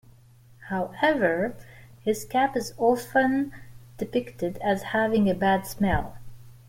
However, his cap is often depicted as having a bad smell.